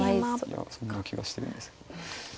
いやそんな気がしてるんですけど。